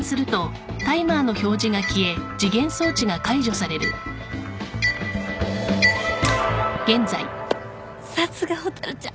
さすが蛍ちゃん。